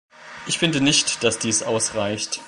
Ich finde nicht, dass dies ausreicht.